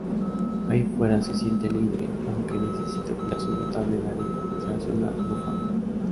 Ahí fuera se siente libre, aunque necesita ocultar su notable nariz tras una bufanda.